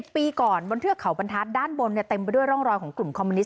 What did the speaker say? ปีก่อนบนเทือกเขาบรรทัศน์ด้านบนเต็มไปด้วยร่องรอยของกลุ่มคอมมิวนิส